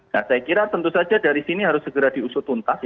nah saya kira tentu saja dari sini harus segera diusut tuntas